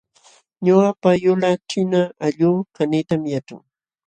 Ñuqapa yulaq china allquu kaniytam yaćhan